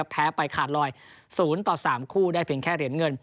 แพ้ไปขาดลอย๐ต่อ๓คู่ได้เพียงแค่เหรียญเงิน